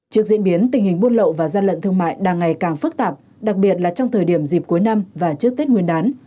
trước diễn biến tình hình buôn lậu và gian lận thương mại đang ngày càng phức tạp đặc biệt là trong thời điểm dịp cuối năm và trước tết nguyên đán